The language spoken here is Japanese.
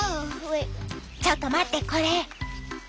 ちょっと待ってこれ。